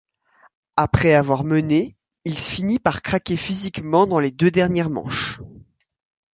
Après avoir mené, il finit par craquer physiquement dans les deux dernières manches.